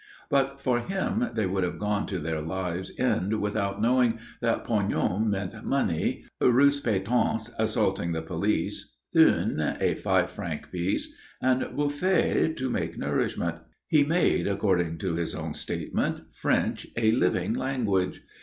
But for him they would have gone to their lives' end without knowing that pognon meant money; rouspétance, assaulting the police; thune, a five franc piece; and bouffer, to take nourishment. He made (according to his own statement) French a living language.